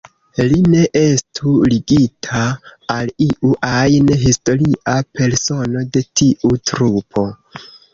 Li ne estu ligita al iu ajn historia persono de tiu trupo.